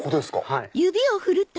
はい。